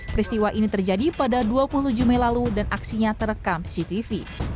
peristiwa ini terjadi pada dua puluh tujuh mei lalu dan aksinya terekam cctv